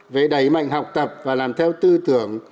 về đẩy mạnh học tập và làm theo tư tưởng